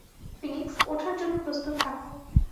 Phoenix, ওঠার জন্য প্রস্তুত থাকো।